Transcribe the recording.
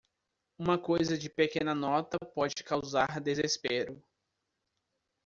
Uma coisa de pequena nota pode causar desespero.